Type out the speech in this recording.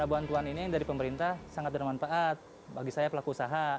bantuan ini dari pemerintah sangat bermanfaat bagi saya pelaku usaha